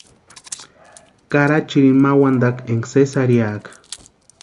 Karachirini ma wantakwa énka sési arhiaka.